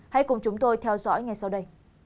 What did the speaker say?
hãy cùng chúng tôi theo dõi ngay sau đây